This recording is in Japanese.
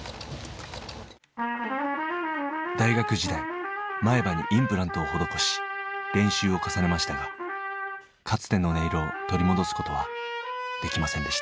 大学時代前歯にインプラントを施し練習を重ねましたがかつての音色を取り戻すことはできませんでした。